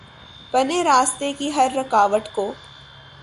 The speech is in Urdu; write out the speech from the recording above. پنے راستے کی ہر رکاوٹ کو